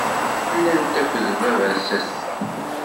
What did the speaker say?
Llant akked baba ass-a?